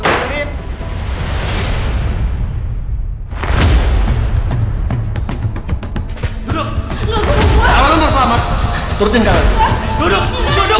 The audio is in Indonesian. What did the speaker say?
kamu mau ngapain